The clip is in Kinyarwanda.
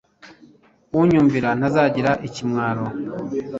unyumvira ntazagira ikimwaro